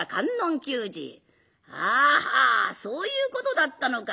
「はあはあそういうことだったのか。